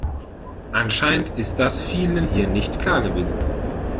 Anscheinend ist das vielen hier nicht klar gewesen.